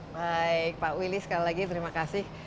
baik pak willy sekali lagi terima kasih